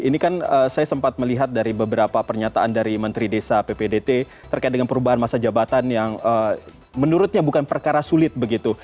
ini kan saya sempat melihat dari beberapa pernyataan dari menteri desa ppdt terkait dengan perubahan masa jabatan yang menurutnya bukan perkara sulit begitu